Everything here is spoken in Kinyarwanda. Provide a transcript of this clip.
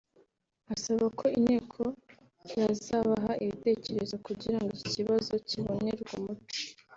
asaba ko Inteko yazabaha ibitekerezo kugira ngo iki kibazo kibonerwe umuti